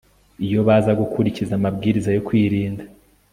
iyo baza gukurikiza amabwiriza yo kwirinda